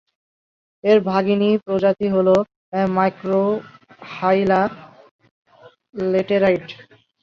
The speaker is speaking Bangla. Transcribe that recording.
এর ভগিনী প্রজাতি হল মাইক্রোহাইলা ল্যাটেরাইট।